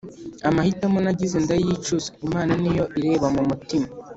amahitamo nagize ndayicuza, imana niyo ireba m’umutima